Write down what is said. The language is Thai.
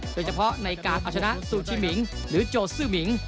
โดยเฉพาะในการเอาชนะซูชิมิงหรือโจซื่อหมิง